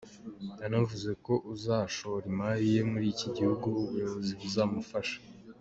Yanavuze ko uzashora imari ye muri iki gihugu ubuyobozi buzamufasha.